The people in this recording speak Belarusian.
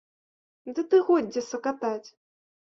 Ды ты годзе сакатаць!